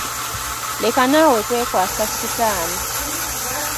Leka naawe kwekwasa sitaani.